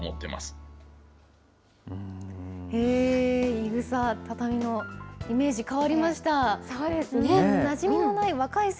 いぐさ、畳のイメージ変わりました。